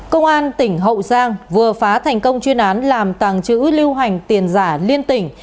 công an tỉnh hậu giang vừa phá thành công chuyên án làm tàng trữ lưu hành tiền giả liên tỉnh